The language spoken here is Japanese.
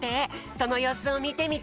そのようすをみてみて。